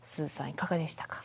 いかがでしたか？